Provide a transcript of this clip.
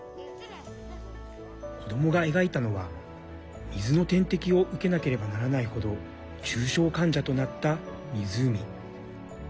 子どもが描いたのは、水の点滴を受けなければならない程重症患者となった湖。